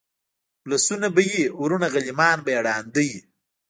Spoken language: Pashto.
اولسونه به وي وروڼه غلیمان به یې ړانده وي